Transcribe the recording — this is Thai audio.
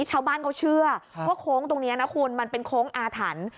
ชาวบ้านเขาเชื่อว่าคงตรงนี้มันเป็นคงอาถรรค์